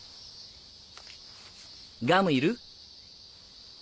ガムいる？